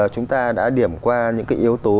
chúng ta đã điểm qua những cái yếu tố